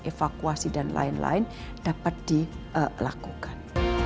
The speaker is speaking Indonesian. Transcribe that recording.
evakuasi dan lain lain dapat dilakukan